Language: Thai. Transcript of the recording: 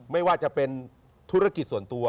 ไม่ว่าจะเป็นธุรกิจส่วนตัว